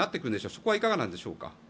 そこはいかがなんでしょうか。